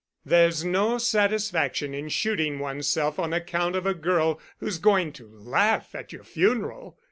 There's no satisfaction in shooting one's self on account of a girl who's going to laugh at your funeral."